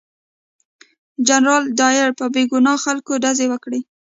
جنرال ډایر په بې ګناه خلکو ډزې وکړې.